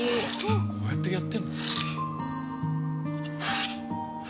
こうやってやってるの？